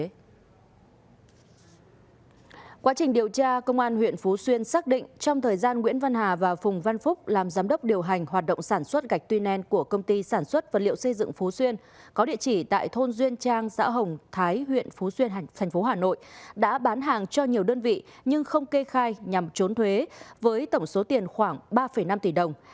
cơ quan cảnh sát điều tra công an huyện phú xuyên xác định trong thời gian nguyễn văn hà và phùng văn phúc làm giám đốc điều hành hoạt động sản xuất gạch tuy nền của công ty sản xuất vật liệu xây dựng phú xuyên có địa chỉ tại thôn duyên trang xã hồng thái huyện phú xuyên thành phố hà nội đã bán hàng cho nhiều đơn vị nhưng không kê khai nhằm trốn thuế với tổng số tiền khoảng ba năm tỷ đồng